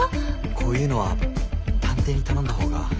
こういうのは探偵に頼んだほうが。